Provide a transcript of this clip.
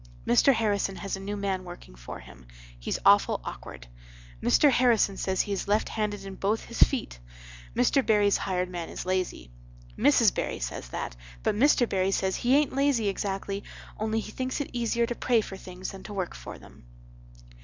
Mr. Harrison has a new man working for him. He's awful okward. Mr. Harrison says he is left handed in both his feet. Mr. Barry's hired man is lazy. Mrs. Barry says that but Mr. Barry says he aint lazy exactly only he thinks it easier to pray for things than to work for them.